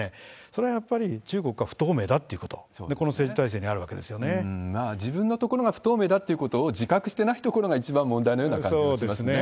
それはやっぱり中国が不透明だということ、自分のところが不透明だということを、自覚してないところが一番問題なような感じがしますね。